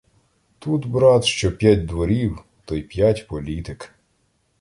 Тут, брат, що п'ять дворів, то й п'ять політик.